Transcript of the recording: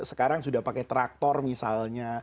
sekarang sudah pakai traktor misalnya